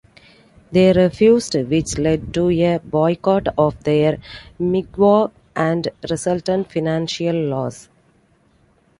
They refused, which led to a boycott of their mikvah and resultant financial loss.